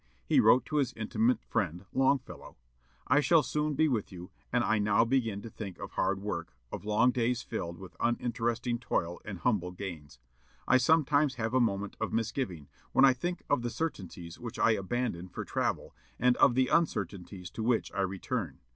He wrote to his intimate friend Longfellow: "I shall soon be with you; and I now begin to think of hard work, of long days filled with uninteresting toil and humble gains. I sometimes have a moment of misgiving, when I think of the certainties which I abandoned for travel, and of the uncertainties to which I return.